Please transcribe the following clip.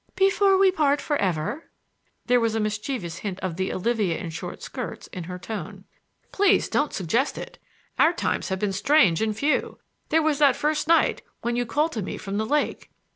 "Before we part for ever?" There was a mischievous hint of the Olivia in short skirts in her tone. "Please don't suggest it! Our times have been strange and few. There was that first night, when you called to me from the lake."